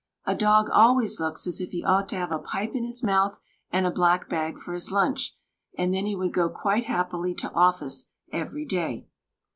A dog always looks as if he ought to have a pipe in his mouth and a black bag for his lunch, and then he would go quite happily to office every day.